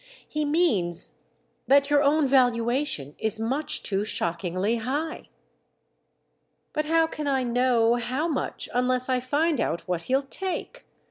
"He means that your own valuation is much too shockingly high." "But how can I know how much unless I find out what he'll take?"